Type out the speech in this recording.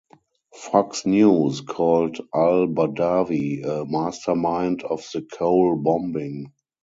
"Fox News" called Al-Badawi a "mastermind" of the Cole bombing.